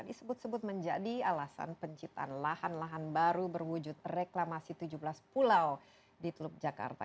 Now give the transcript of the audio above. disebut sebut menjadi alasan penciptaan lahan lahan baru berwujud reklamasi tujuh belas pulau di teluk jakarta